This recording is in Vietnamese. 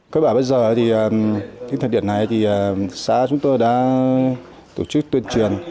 các bản bây giờ thì những thật điện này thì xã chúng tôi đã tổ chức tuyên truyền